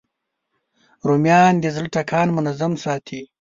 رومیان د زړه ټکان منظم ساتي